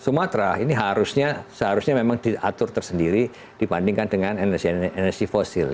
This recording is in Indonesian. sumatera ini harusnya seharusnya memang diatur tersendiri dibandingkan dengan energi energi fosil